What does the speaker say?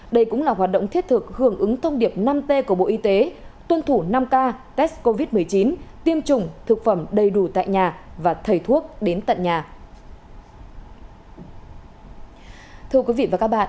đây cũng là hoạt động thiết thực hưởng ứng thông điệp năm t của bộ y tế tuân thủ năm k te test covid một mươi chín tiêm chủng thực phẩm đầy đủ tại nhà và thầy thuốc đến tận nhà